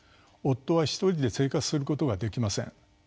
夫は一人で生活することができません。